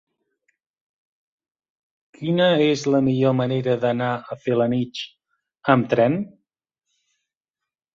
Quina és la millor manera d'anar a Felanitx amb tren?